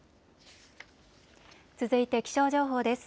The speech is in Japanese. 続いて気象情報です。